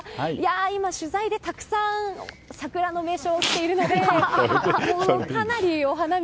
今は取材でたくさん桜の名所に来ているのでかなりお花見